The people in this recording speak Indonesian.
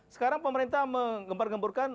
sekarang pemerintah mengembar ngemburkan